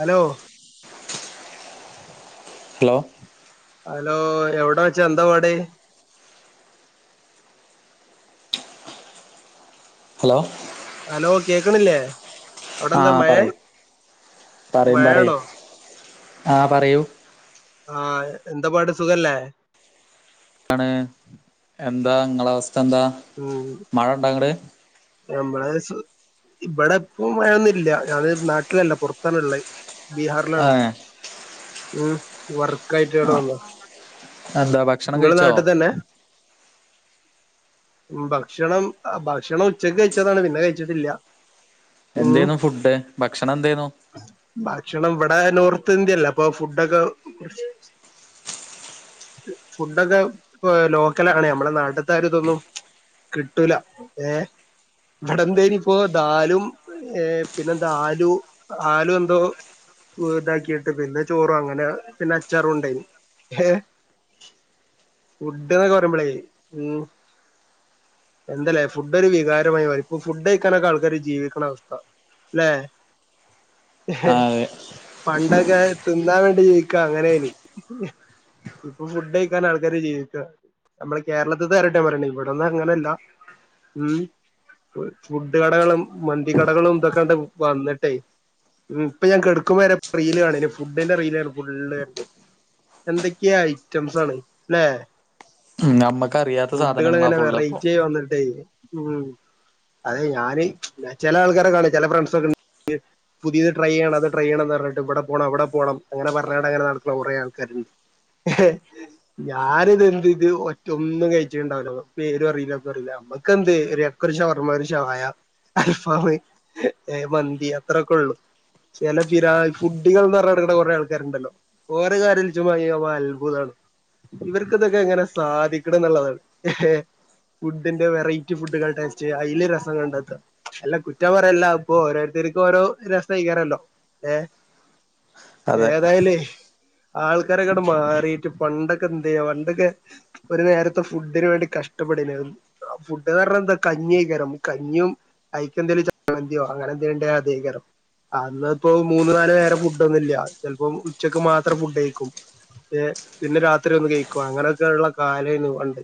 hello hello hello എവിടാ വെച്ചാ എന്താവടെ ഹലോ ഹലോ കേക്കണില്ലേ അവിടെ എന്താ ആഹ് മഴ പറയു പറയും പറയും മഴയാണോ ആ പറയൂ ആഹ് എന്താപാട് സുഖല്ലേ മാണ് എന്താ നിങ്ങള അവസ്ഥ എന്താ മഴ ഇണ്ടാ അങ്ങട് നമ്മള് സു ഇവിടെ ഇപ്പ മഴയൊന്നുമല്ല ഞാൻ നാട്ടിലല്ല പുറത്താണ്ള്ളത് ആ ബിഹാറിലാണ് ഉം വർക്ക് ആയിട്ട് ഇവിടെ ആ വന്ന് എന്താ ഭക്ഷണം കഴിച്ചോ ഉം ഭക്ഷണം ഭക്ഷണം ഉച്ചക്ക് കഴിച്ചതാണ് പിന്നെ കഴിച്ചിട്ടില്ല ഉം എന്തായിന്ന് ഫുഡ് ഭക്ഷണം എന്തയിന്നു ഭക്ഷണം ഇവിടെ നോർത്ത് ഇന്ത്യ അല്ലെ അപ്പൊ ഫുഡൊക്കെ ഫുഡൊക്കെ ഇ ലോക്കലാണെ നമ്മുടെ നാട്ടത്തെ ആ ഒരു ഇതൊന്നും കിട്ടൂല ഏ ഇവിടെ എന്താ ഇനിപ്പോ ദാലും ഏ പിന്നെ ദാലു ആലും എന്തോ ഇതാക്കിട്ട് പിന്നെ ചോറും അങ്ങനെ പിന്നെ അച്ചാറും ഉണ്ടേ ഏ ഫുഡ്‌ എന്നൊക്കെ പറയുമ്പളേ ഉം എന്തല്ലേ ഫുഡ് ഒരു വികാരമായി മാറി ഇപ്പൊ ഫുഡ് കഴിക്കാനൊക്കെ ആൾക്കാര് ജീവിക്കണ അവസ്ഥ അല്ലെ ആ അതെ പണ്ടൊക്കെ തിന്നാൻ വേണ്ടി ജീവിക്കാ അങ്ങനെനി ഇപ്പൊ ഫുഡ് കഴിക്കാൻ ആൾക്കാര് ജീവിക്കുവാ നമ്മള് കേരളത്തിൽ കാര് തന്നെ ആ പറയണ് ഇപൊ അന്ന് അങ്ങനെയല്ല ഉം ഫുഡ് കടകളും മന്തി കടകളും ഇതൊക്കെണ്ട് വന്നിട്ടെ ഉം ഇപ്പൊ ഞാൻ കെടക്കും വരെ റീൽ കാണല് ഫുഡിന്റെ റീലാണ് ഫുള്ള് എന്തൊക്കെയാ ഐറ്റംസ് ആണ് ഇല്ലേ ഉം നമ്മക്ക് അറിയാത്ത സാധനങ്ങളാ ഫുള്ള് ഇപ്പോ വെറൈറ്റി വന്നിട്ടേ ഉം അതെ ഞാന് ചില ആൾക്കാരെ കാണും ചില ഫ്രണ്ട്സൊക്കെ പുതിയത് ട്രൈ ചെയ്യണം അത് ട്രൈ ചെയ്യണംന്ന് പറഞ്ഞിട്ട് ഇവിടെ പോണം അവിടെ പോണം അങ്ങനെ പറഞ്ഞ് അങ്ങനെ നടക്കണ കുറേ ആൾക്കാരുണ്ട് ഞാനിത് എന്ത് ഇത് ഒറ്റ ഒന്നും കഴിച്ചിട്ടുണ്ടാവില്ല പേരും അറിയില്ല ഒന്നും അറിയില്ല നമ്മക്ക്‌ എന്ത് ക്ക്ഒര് ഷവർമ്മ ഒരു ചായ അൽഫാമ് ഏ മന്തി അത്രയൊക്കെ ഉള്ളു ചില പിരാ ഫുഡുകൾന്ന് പറഞ്ഞ് നടക്കണ കൊറേ ആൾക്കാരുണ്ടല്ലോ ഒര് കാര്യോം ഇല്ല ചുമ്മാ അത്ഭുതമാണ് ഇവർക്ക്‌ ഇതൊക്കെ എങ്ങനെ സാധിക്കണു എന്നുള്ളതാണ് ഏഹ് ഫുഡിന്റെ വെറൈറ്റി ഫുഡുകൾ ടേസ്റ്റ് ചെയ്യുക അതില് രസം കണ്ടെത്തുക അല്ല കുറ്റം പറയല്ല ഇപ്പൊ ഓരോരുത്തർക്കും ഓരോ രസം ആയിരിക്കുമല്ലോ ഏഹ് അതെ ഏതായാലുമേ ആൾക്കാരൊക്കെട്ട് മാറിയിട്ട് പണ്ടൊക്കെ എന്ത്‌ ചെയ്യാ പണ്ടൊക്കെ ഒരു നേരത്തെ ഫുഡിന് വേണ്ടി കഷ് കഷ്ടപ്പെടുന്നെ ഫുഡ്ന്ന് പറഞ്ഞാ എന്താ കഞ്ഞി കരം കഞ്ഞിയും കറിയ്ക് എന്തേലും ചമ്മന്തിയോ അങ്ങനെ എന്തേലും ഉണ്ടേ അത് കരം അന്ന് ഇപ്പോ മൂന്ന് നാല് നേരം ഫുഡ് ഒന്നുമില്ല ചിലപ്പം ഉച്ചക്ക് മാത്രം ഫുഡ് കഴിക്കും പിന്നെ രാത്രി ഒന്ന് കഴിക്കും അങ്ങനെയൊക്കെ ഉള്ള കാലമായിരുന്നു പണ്ട്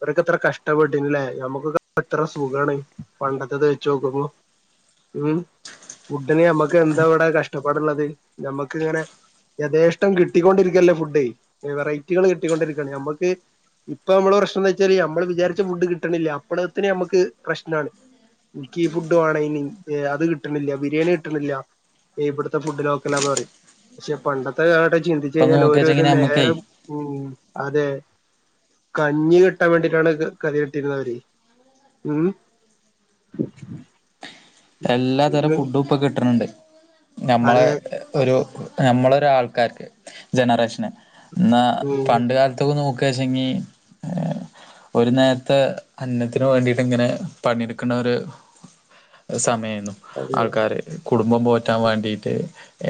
ഇവർക്കെത്ര കഷ്ടപ്പെട്ടില്ലേ നമ്മക്ക് ഒക്കെ എത്ര സുഖാണ് പണ്ടത്തേത് വെച്ച് നോക്കുമ്പോ ഉം ഫുഡിന് നമ്മക്ക് എന്താഇവിടെ കഷ്ടപ്പാടുള്ളത് നമ്മക്ക് ഇങ്ങനെ യഥേഷ്ടം കിട്ടിക്കൊണ്ടിരിക്കല്ലേ ഫുഡ് വെറൈറ്റികൾ കിട്ടിക്കൊണ്ടിരിക്കാണ് നമ്മക്ക് ഇപ്പ നമ്മള് പ്രശ്നംന്ന് വെ ശെരിയാ നമ്മള് വിചാരിച്ച ഫുഡ് കിട്ടണില്ല അപ്പഴ്ത്തേന് നമ്മക്ക് പ്രശ്നാണ് എനിക്ക് ഈ ഫുഡ് വേണം അത് കിട്ടണില്ല ബിരിയാണി കിട്ടണില്ല ഇവിടുത്തെ ഫുഡ് ലോക്കലാന്ന് പറയും പക്ഷെ പണ്ടത്തെ കാ ചിന്തിച്ച് ഇപ്പൊ കഴിഞ്ഞാൽ ഓരോ ഓരോ നോക്കാച്ചെങ്കി നമ്മക്കേ നേരം ഉം അതെ കഞ്ഞി കി ട്ടാൻ വേണ്ടിട്ടാണ് ക കറിയെടുത്തിരുന്നത് അവര് ഉം എല്ലാ തരം ഫുഡും ഇപ്പൊ കിട്ടണണ്ട് ഞമ്മളെ അതെ ഒരു നമ്മളൊരു ആൾക്കാര്ക്ക് ജനറേഷന് ന്നാ ഉം പണ്ട് കാലത്ത്ക്ക് നോക്ക് [unintelligible] ഏ ഒരു നേരത്തെ അന്നത്തിന് വേണ്ടിട്ട് ഇങ്ങനെ പണിയെടുക്കണോര് സമയേ രുന്നു അതെ ആൾക്കാര് കുടുംബം പോറ്റാൻ വാണ്ടീട്ടെ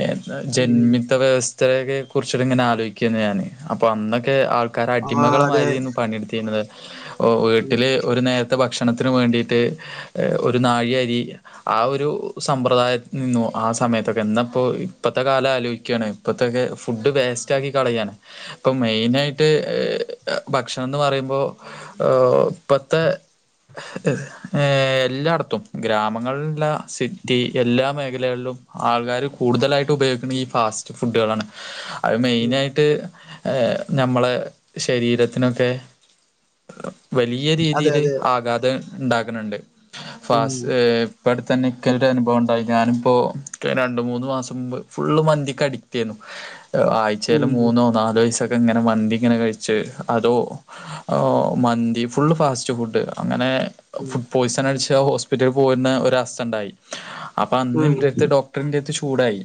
എന്താ ഉം ജന്മിത്ത വ്യവസ് ഇത്രയൊക്കെ കുറിച്ചിട്ട്ങ്ങനെ ആലോയ്ക്കേര്ന്ന് ഞാന് അപ്പൊ അന്നൊക്കെ ആൾ ക്കാര് ആ അതെ അടിമകളമാരിയേരുന്നു പണിയെട്ത്തിരുന്നത് ഇപ്പോൾ ഉം വീട്ടില് ഒരു നേരത്തെ ഭക്ഷണ ണത്തിന് വേണ്ടിയിട്ട് ഒരു നാഴിയരി ആ ഒരു സമ്പ്രദായത്തിനിന്നോ ആ സമയത്തൊക്കെ ഇന്നിപ്പോ ഇപ്പത്തെ കാലം ആലോയിക്കുവാണ് ഇപ്പത്തൊക്കെ ഫുഡ് വേസ്റ്റാക്കി കളയാണ് ഇപ്പൊ മെയിനായിട്ട് ഭക്ഷണം എന്ന് പറയുമ്പോ ആഹ് ഇപ്പത്തെ ഏ എല്ലായിടത്തും ഗ്രാമ ങ്ങള്ല്ലാ സിറ്റി എല്ലാ മേഖ ലകളിലും ആൾക്കാർ കൂടുതലായിട്ട് ഉപയോഗിക്കുന്നെ ഈ ഫാസ്റ്റ് ഫുഡുകളാണ് അത് ഉം മെയ്നായിട്ട് ഏഹ് ഞമ്മളെ ശരീരത്തിനൊക്കെ വലിയ അതെ രീതിയില് അതെ ആകാതെ ഇണ്ടാക്ക്ണണ്ട് ഉം ഫാസ് ഏ ഇപ്പട്ത്തന്നെ ഇക്കന്നെ അനുഭവണ്ടായി ഞാനിപ്പോ കേ രണ്ട് മൂന്ന് മാസം മുമ്പ് ഫുള്ള് മന്തിക്ക് അഡിക്ടെനു ഏ ആഴ്ചയില് ഉം മൂന്നോ നാലോസ ക്കങ്ങനെ മന്തിങ്ങനെ കഴിച്ച് അതോ ഓ മന്തി ഫുൾ ഫാസ്റ്റ് ഫുഡ് അങ്ങനെ ഉം ഫുഡ് പോയ്സനടിച്ച് [unintelligible] ഹോസ്പിറ്റലിൽ പോര്ന്ന ഒ രസ്സണ്ടായി അപ്പ ഉം അന്ന്ന്റെട്ത്ത് ഡോക്ടറിന്റെട്ത്ത് ചൂ ടായി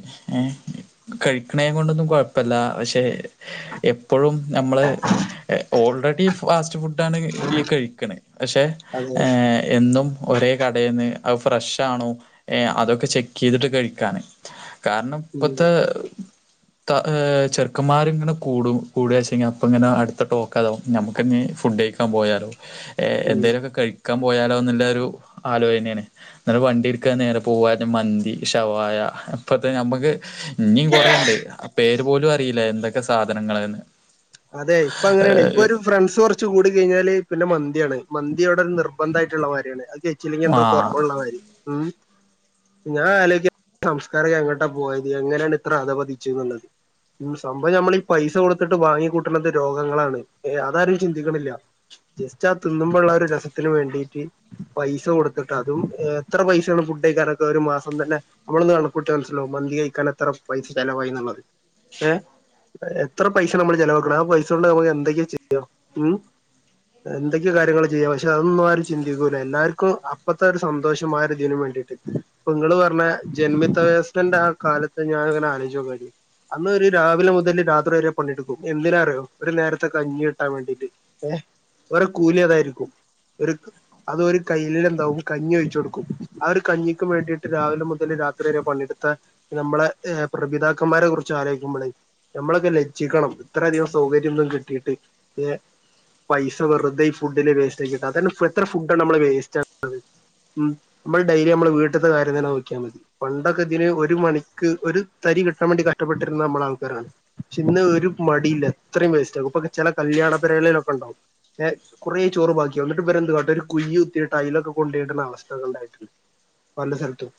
കഴിക്കണേ കൊണ്ടൊന്നും കൊഴപ്പല്ല പക്ഷെ എ ഇപ്പോഴും നമ്മൾ ഓൾറെഡി ഫാസ്റ്റ് ഫുഡാണ് ഈ കഴിക്കണെ പക്ഷേ അതെ ഏ എന്നും ഒരേ കടേന്ന് അ ഫ്രഷ് ആണോ ഏ അതൊക്കെ ചെക്ക് ചെയ്തിട്ട് കഴിക്കാന് കാരണം ഉം പ്പത്തെ [unintelligible] ചെറുമാരിങ്ങനെ കൂട കൂടച്ചെ അപ്പ ഇങ്ങനെ അടുത്ത ടോക്കതാവും നമുക്ക് ഫുഡ് കഴിക്കാൻ പോയാലോ ഉം എന്തേലുമൊക്കെ കഴി ക്കാൻ പോയാലോ എന്നുള്ള ഒരു ആലോചനയാണ് ഇന്നല വണ്ടി ഇടുക്കാൻ നേരെ പോവാനും മന്തി ശവായ ഇപ്പത്തെ നമ്മക്ക് ഇനിയും കൊറേണ്ട് അപ്പേ ഇതുപോലും അറിയില്ല എന്തൊക്കെ സാധനങ്ങളാന്ന് അതെ ഇപ്പൊ അങ്ങനെയാണ് ഇപ്പൊ ഒരു ഫ്രണ്ട്സ് കുറച്ച് കൂടി കഴിഞ്ഞാല് പിന്നെ മന്തിയാണ് മന്തി അവിടെ നിർബന്ധ ആയിട്ടുള്ള കാര്യാണ് ച്ചില്ലെങ്കി എന്തോ ആഹ് കുറവുള്ള കാര്യം ഉം ഞാൻ ആലോചിക്ക ഈ സംസ്കാരം എങ്ങോട്ടാ പോയത് എങ്ങനെയാണ് ഇത്ര അഥപതിച്ച എന്നുള്ളത് സംഭവം നമ്മളീ ഈ പൈസ കൊടുത്തിട്ട് വാങ്ങി കൂട്ടണത് രോഗങ്ങളാണ് അതാരും ചിന്തിക്കണില്ല ജസ്റ്റ് ആ തിന്നുമ്പോഴുള്ള ഒരു രസത്തിന് വേണ്ടിട്ട് പൈസ കൊടുത്തിട്ട് അതും എത്ര പൈസയാണ് ഫുഡ് കഴിക്കാനൊക്കെ ഒരു മാസം തന്നെ നമ്മളൊന്ന് കണക്കുട്ട്യാ മനസ്സില മന്തി കഴിക്കാൻ എത്ര പൈസ ചിലവായി എന്നുള്ളത് ഏ എത്ര പൈസ നമ്മൾ ചിലവ പൈസ കൊണ്ട് നമുക്ക് എന്തൊക്കെയാ ചെയ്യാം ഉം എന്തൊക്കെയെ കാര്യങ്ങൾ ചെയ്യാം പക്ഷെ അതൊന്നും ആരും ചിന്തിക്കൂല്ല എല്ലാവർക്കും അപ്പത്തെ ഒരു സന്തോഷം ആ ഒരു ഇതിനും വേണ്ടിട്ട് ഇപ്പൊ നിങ്ങള് പറഞ്ഞ ജന്മിത്ത വ്യവസ്ഥന്റെ ആ കാലത്ത് ഞാൻ അങ്ങനെ ആലോചിച്ചോ കാര്യ അന്ന് ഒരു രാവിലെ മുതൽ രാത്രി വരെ പണിയെടുക്കും എന്തിനാ അറിയോ ഒരു നേരത്തെ കഞ്ഞി കിട്ടാൻ വേണ്ടിട്ട് ഏഹ് ഒരെ കൂലി അതായിരിക്കും ഒരു അതൊ ഒരു കയ്യിലിൽ എന്താവും കഞ്ഞി ഒഴിച് കൊടുക്കും ആ ഒരു കഞ്ഞിക്ക് വേണ്ടിയിട്ട് രാവിലെ മുതൽ രാത്രി വരെ പണിയെടുത്ത നമ്മളെ പ്രഭിതാക്കന്മാരെ കുറിച്ച് ആലോചിക്കുമ്പളേ നമ്മളൊക്കെ ലജ്ജിക്കണം ഇത്ര അധികം സൗകര്യങ്ങൾ കിട്ടിയിട്ട് പൈസ വെറുതെ ഈ ഫുഡിനെ വേസ്റ്റ് ആക്കിയിട്ട് അതന്നെ എത്ര ഫുഡ് ആണ് നമ്മൾ വേസ്റ്റ് ആക്കുന്നത് നമ്മൾ ഡെയിലി നമ്മൾ വീട്ടത്തെ കാര്യം തന്നെ നോക്കിയാൽ മതി പണ്ടൊക്കെ ഇതിന് ഒരു മണിക്ക് ഒരു തരി കിട്ടാൻ വേണ്ടി കഷ്ടപ്പെട്ടിരുന്ന നമ്മൾ ആൾക്കാരാണ് പക്ഷെ ഇന്ന് ഒരു മടിയില്ല എത്രയും വേസ്റ്റ് ആക്കും ഇപ്പൊ ചെല കല്യാണ പരവാടികലൊക്കെ ഉണ്ടാവും കുറെേ ചോറ് ബാക്കി എന്നിട്ട് ഇവര് എന്തുവാ ഒരു കുയി കുത്തിയിട്ട് അയ്ലൊക്കെ കൊണ്ടിടണ അവസ്ഥകൾ ഉണ്ടായിട്ടുണ്ട് പല സ്ഥലത്തും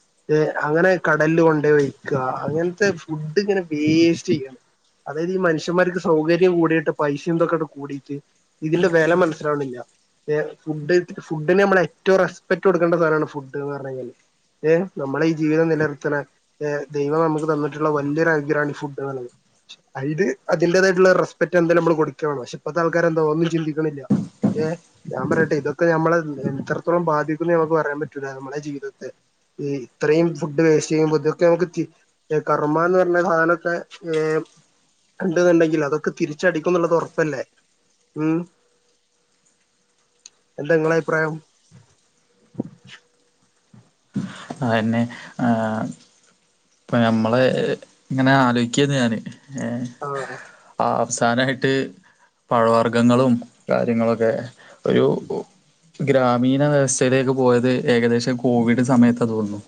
അങ്ങനെ കടലിൽ കൊണ്ട് പോയി വയ്ക്കുക അങ്ങനത്തെ ഫുഡ് ഇങ്ങനെ വേസ്റ്റ് ചെയ്യാണ് അതായത് മനുഷ ഷന്മാർക്ക് സൗകര്യം കൂടിയിട്ട് പൈസയും എന്തൊക്കെട് കൂടിയിട്ട് ഇതിന്റെ വില മനസ്സിലാവണില്ല ഫുഡ് ഫുഡിന് നമ്മൾ ഏറ്റവും റെസ്പെക്ട് കൊടുക്കേണ്ട സാധനമാണ് ഫുഡ് എന്ന് പറഞ്ഞ കഴിഞ്ഞാല് ഏഹ് നമ്മള ഈ ജീവിതം നില നിർത്തണ ഏഹ് ദൈവം നമുക്ക് തന്നിട്ടുള്ള വലിയൊരു ആനുഗ്രഹമാണ് ഫുഡ്ന്ന് പറേണത് അതിന് അതിന്റേതായിട്ടുള്ള റെസ്പെക്ട് എന്തായാലും നമ്മള് കൊടുക്കണം പക്ഷെ ഇപ്പഴത്തെ ആൾക്കാർ എന്താ ഒന്നും ചിന്തിക്കണില്ല ഏഹ് ഞാൻ പറയട്ടെ ഇതൊക്കെ നമ്മള എത്രത്തോളം ബാധിക്കുമെന്ന് നമുക്ക് പറയാൻ പറ്റൂല്ല നമ്മളെ ജീവിതത്തെ ഈ ഇത്രയും ഫുഡ് വേസ്റ്റ് ചെയ്യുമ്പോൾ ഇതൊക്കെ നമുക്ക് തി കർമ്മ എന്ന് പറഞ്ഞ സാധനൊക്കെ ഏ കണ്ട്ന്നുണ്ടെങ്കിൽ അതൊക്കെ തിരിച്ചടിക്കും എന്നുള്ളത് ഉറപ്പല്ലേ ഉം എന്താ ഇങ്ങളെ അഭിപ്രായം അതന്നെ ആ ഇപ്പ ഞമ്മളെ ഇങ്ങനെ ആലോചിക്കുകന്ന് ഞാന് ഏഹ് ആ ആ സാനമായിട്ട് പഴവർഗങ്ങളും കാര്യങ്ങളൊക്കെ ഒരു ഗ്രാമീണ വ്യവസ്ഥയിലേക്ക് പോയത് ഏകദേശം കോവിഡ് സമയത്ത് തോന്നുന്നു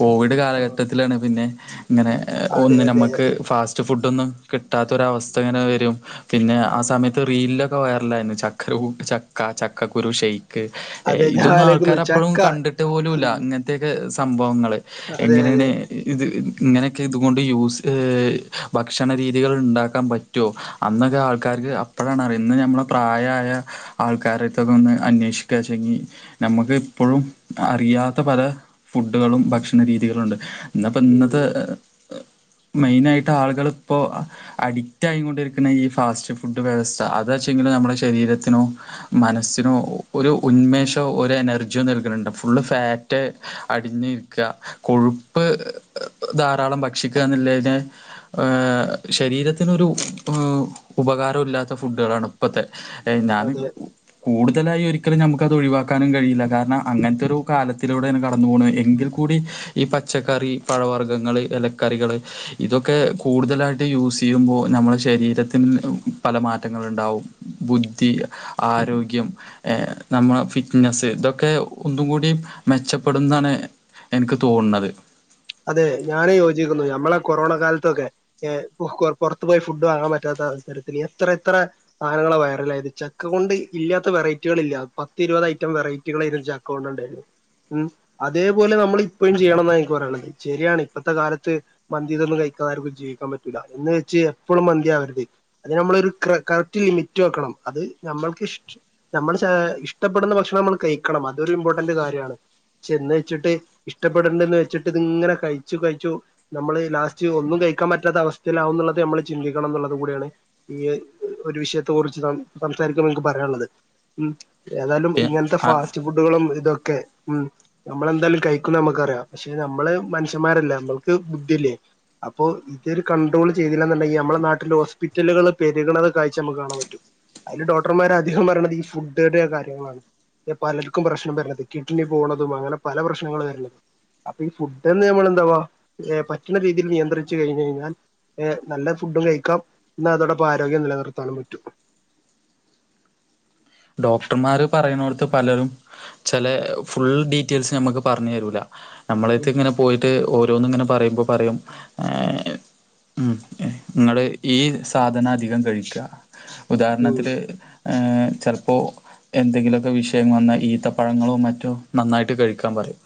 കോവിഡ് ആ കാലഘട്ടത്തിലാണ് പിന്നെ ഇങ്ങനെ അതെ ഒന്ന് അതെ നമുക്ക് ഫാസ്റ്റ് ഫുഡ് തൊന്നും കിട്ടാത്തൊരവസ്ഥ ഇങ്ങനെ വരും പിന്നെ ആ സമയത്ത് റീലിലൊക്കെ വയറലായിരുന്നു ചക്ക ചക്ക ചക്കക്കുരു ഷെയ് ക്ക് അതെ ഞാൻ ഇതൊന്നും ആലോചിക്കുന്നു ആൾക്കാര് അപ്പഴും ചക്ക കണ്ടിട്ട് പോലുല്ല ഉം അങ്ങ സംഭവങ്ങള് അതെ എങ്ങനേണ് അതെ ഇത് ഇങ്ങനൊക്കെ ഇതുകൊണ്ട് യൂസ് ഏഹ് ഭക്ഷണ രീതികൾ ഉണ്ടാക്കാൻ പറ്റുമോ അന്നൊക്കെ ആൾക്കാർക്ക് അപ്പോഴാണ് അറിയുന്നത് ഇന്ന് ഞമ്മള് പ്രായായ ആൾക്കാരെടുത്തെക്കൊ ഒന്ന് അന്വേഷിക്കാ [unintelligible] നമുക്ക് ഇപ്പോഴും അറിയാത്ത പല ഫുഡുകളും ഭക്ഷണ രീതികളുണ്ട് ഇന്നിപ്പ ഇന്നത്തെ ഉം മെയിനായിട്ട് ആളുകള് ഇപ്പോൾ അഡിക്റ്റ് ആയിക്കൊണ്ടിരിക്കുന്ന ഈ ഫാസ്റ്റ് ഫുഡ് വ്യവസ്ഥ അത് വച്ചെങ്കിലും നമ്മുടെ ശരീരത്തിനോ മനസ്സിനോ ഒരു ഉന്മേഷോ ഒരു എനർജിയോ നൽകുന്നുണ്ടൊ ഫുള്ള് ഫാറ്റ് അടിഞ്ഞിരിക്ക കൊഴുപ്പ് ധാരാളം ഭക്ഷിക്കുക എന്നുള്ളതിന് ഏ ശരീരത്തിനൊരു ഏ ഉപകാരം ഇല്ലാത്ത ഫുഡുകളാണ് ഇപ്പത്തെ ഏ ഞാന് അതെ കൂടുതലായി ഒരിക്കലും നമുക്ക് അത് ഒഴിവാക്കാനും കഴിയില്ല കാരണം അങ്ങനത്തൊരു കാലത്തിലൂടെണ് കടന്നു കടന്നു പോണേ എങ്കിൽ കൂടി ഈ പച്ചക്കറി പഴവർഗ്ഗങ്ങള് ഇലക്കറികള് ഇതൊക്കെ കൂടുതലായിട്ട് യൂസ് ചെയ്യുമ്പോൾ നമ്മുടെ ശരീരത്തിന് പല മാറ്റങ്ങളുണ്ടാവും ബുദ്ധി ആരോഗ്യം നമ്മുടെ ഫിറ്റ്നസ്സ് ഇതൊക്കെ ഒന്നും കൂടി മെച്ചപ്പ് പ്പെടുന്നാണ് എനിക്ക് തോന്നുന്നത് അതെ ഞാന് യോജിക്കുന്നു ഞമ്മളെ കൊറോണ കാലത്തൊക്കെ പുറത്ത് പോയി ഫുഡ് വാങ്ങാൻ പറ്റാത്ത അവസരത്തില് എത്ര എത്ര സാധനങ്ങള വൈറലായത് ചക്ക കൊണ്ട് ഇല്ലാത്ത വെറൈറ്റികള് ഇല്ല പത്തി ഇരുപത് ഐറ്റം വെറൈറ്റികളായിരുന്നു ചക്ക കൊണ്ട് ഉണ്ടായിരുന്നു ഉം അതേപോലെ നമ്മൾ ഇപ്പോഴും ചെയ്യണം എനിക്ക് പറയാനുള്ളത് ശരിയാണ് ഇപ്പത്തെ കാലത്ത് മന്തി ഇതൊന്നും കഴിക്കാതെ ആർക്കും ജീവിക്കാൻ പറ്റൂല്ല എന്ന് വെച്ച് എപ്പോഴും മന്തിയാവരുത് അത് നമ്മളൊരു കറക്റ്റ് ലിമിറ്റ് വെക്കണം അത് നമ്മക്ക് ഇഷ് നമ്മൾ ഇഷ്ടപ്പെടുന്ന ഭക്ഷണം നമ്മൾ കഴിക്കണം അതൊരു ഇമ്പോർട്ടന്റ് കാര്യാണ് ശെന്ന് വെച്ചിട്ട് ഇഷ്ടപ്പെടെണ്ടന്ന് വെച്ചിട്ട് ഇതിങ്ങനെ കഴിച്ചു കഴിച്ചു നമ്മള് ലാസ്റ്റ് ഒന്നും കഴിക്കാൻ പറ്റാത്ത അവസ്ഥയിലാവും എന്നുള്ളത് നമ്മൾ ചിന്തിക്കണം എന്നുള്ളത് കൂടിയാണ് ഈ ഒരു വിഷയത്തെ കുറിച്ച് സംസാരിക്കുമ്പോൾ എനിക്ക് പറയാനുള്ളത് ഉം ഏതായാലും പി ഇങ്ങനത്തെ അ ഫാസ്റ്റ് ഫുഡുകളും ഇതൊക്കെ കെ ഉം നമ്മളെന്തായാലും കഴിക്കൂന്ന് നമുക്കറിയാം പക്ഷെ നമ്മള് മനുഷ്യമാരല്ലേ നമ്മൾക്ക് ബുദ്ധിയില്ലേ അപ്പോ ഇതൊരു കണ്ട്രോൾ ചെയ്തില്ലന്നുണ്ടെങ്കി നമ്മളുടെ നാട്ടിലെ ഹോസ്പിറ്റലുകള് പെരുകണത് കാഴ്ച നമുക്ക് കാണാൻ പറ്റും അതില് ഡോക്ടർമാര് അധികം പറയണത് ഈ ഫുഡന്റെ കാര്യങ്ങളാണ് പലർക്കും പ്രശ്നം വരണത് കിട്ടിണി പോണതും അങ്ങനെ പല പ്രശ്നങ്ങളും വരണത് അപ്പൊ ഈ ഫുഡ് എന്ന് നമ്മൾ എന്താവാ ഏർ പറ്റണ രീതിയിൽ നിയന്ത്രിച്ചു കഴിഞ്ഞഞ് കഴിഞ്ഞാൽ ഏർ നല്ല ഫുഡും കഴിക്കാം എന്ന അതോടൊപ്പം ആരോഗ്യം നിലനിർത്താനും പറ്റും ഡോക്ടർമാർ പറയുന്നൊടത്ത് പലരും ചില ഫുൾ ഡീറ്റെൽസ് നമ്മുക്ക് പറഞ്ഞു തരൂല നമ്മളത്ത് ഇങ്ങനെ പോയിട്ട് ഓരോന്നും ഇങ്ങനെ പറയുമ്പോ പറയും ഏ നിങ്ങള് ഈ സാധന അധികം കഴിക്ക ഉം ഉദാഹരണത്തില് ചർപ്പ അപ്പോൾ എന്തെങ്കിലുമൊക്കെ വിഷയം വന്നാൽ ഈത്ത പഴങ്ങളോ മറ്റോ നന്നായിട്ട് കഴിക്കാൻ പറയും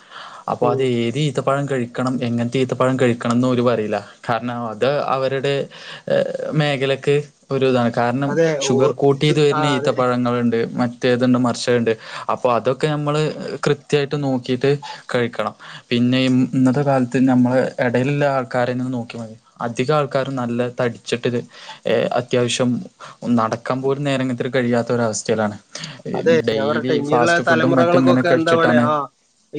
അപ്പൊ അത് ഉം ഏത് ഈത്ത പ്പഴം കഴിക്കണം എങ്ങനെതീത്ത പഴം കഴിക്കണംന്ന് ഓര് പറിയില്ല കാരണം അത് അവരുടെ മേഖലക്ക് ഒരു ഇതാണ് കാരണം അതെ ഓ ഷുഗർ ഇത് കൂട്ടീത് ആ വരുന്ന ഈത്ത അതെ പഴങ്ങളിണ്ട് ണ്ട് മറ്റേതുണ്ട് മറച്ചതുണ്ട് അപ്പോ അതൊക്കെ നമ്മള് കൃത്യമായിട്ട് നോക്കിയിട്ട് കഴിക്കണം പിന്നെ ഇന്നത്തെ കാലത്ത് നമ്മൾ ഇടയിലുള്ള ആൾക്കാരന്ന് നോക്കി മതി അധിക ആൾക്കാരും നല്ല തടിച്ചിട്ട് അത്യാവശ്യം നടക്കാൻ പോലും നേരെങ്ങതിന് കഴിയാത്തൊരവസ്ഥ സ്ഥേലാണ് അതെ ഞ പറട്ടെ ഇിയുള്ള മറ്റും ഇങ്ങനെ തലമുറകൾക്കൊക്കെ എന്താണ കഴിച്ചിട്ടാണ് ആ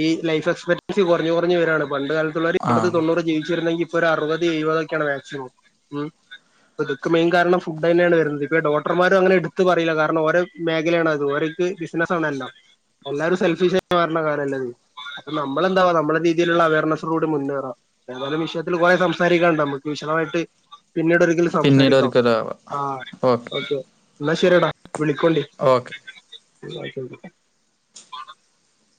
ഈ ലൈഫ് എക്സ്പെരിയൻസ് കുറ പറഞ്ഞവരാണ് പണ്ട് കാലത്തുള്ള ഒരു എൺപത്തി ആഹ് തൊണൂറ് ജീവിച്ചിരെങ്ക ഇപ്പോൊ അറപത് [unintelligible] മാക്മം ഉ മെയിൻ കാരണം ഫു് തന്നെയാണ് വരുന്നത് ഡോക്ടർമാരും അങ്ങനെ എടുത്ത് പറയില്ല കാരണം ഓോ [unintelligible] ക്ക് ബിസിന ആണല്ല എല്ലരും സെഫഷ മാറണ കാലല്ലത് അപ്പ നമ്മളെന്താവാ നമ്മുടെ രീതിയിലുള്ള അവർനെ കൂടി മുന്നേറാം ഏാലും വിഷയത്തിൽ കുറെ സംസാരിക്കാണ്ട് ന മുക്ക് വിശദമായിട്ട് പിന്നീട് ഒരിക്കലും പിന്നീട് സംസാരിക്കാം ഒരിക്കലാവാം ആ ഓക്കെ നല്ല ശരടാ വിളിക്കോണ്ടേ ഓക്കെ അക്കക്ക [unintelligible]